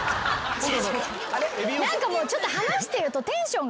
何かもうちょっと話してるとテンションが。